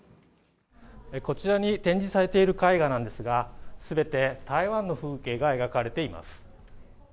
こちらに展示されている絵画なんですが全て台湾の風景が描かれています。